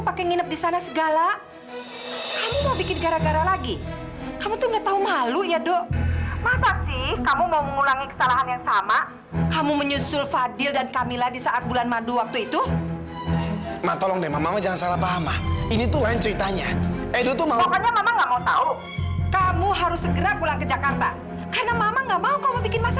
pergunakan kesempatan liburan ini sebaik mungkin ya